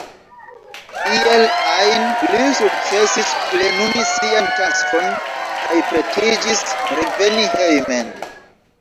Iel ajn, li sukcesis plenumi sian taskon kaj pretiĝis reveni hejmen.